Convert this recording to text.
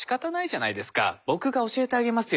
僕が教えてあげますよ。